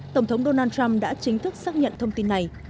tổng thống donald trump đã chính thức xác nhận thông tin này